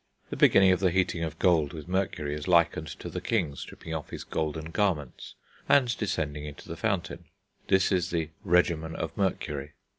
The beginning of the heating of gold with mercury is likened to the king stripping off his golden garments and descending into the fountain; this is the regimen of Mercury.